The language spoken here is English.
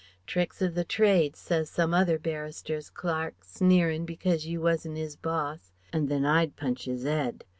'Tricks of the trade,' says some other barrister's clerk, sneerin' because you wasn't 'is boss. An' then I'd punch 'is 'ead....